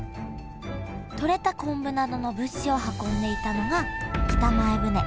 とれた昆布などの物資を運んでいたのが北前船。